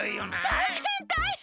たいへんたいへん！